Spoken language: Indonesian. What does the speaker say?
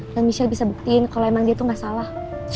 dan michelle bisa buktiin kalo emang dia tuh gak salah